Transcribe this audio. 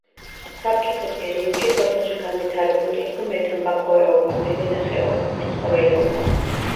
საბჭოთა პერიოდში სოფელში განვითარებული იყო მეთამბაქოეობა, მევენახეობა, მეცხოველეობა.